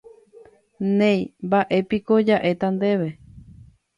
Néi, mba'épiko ja'éta ndéve.